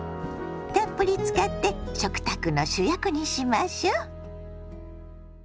たっぷり使って食卓の主役にしましょ。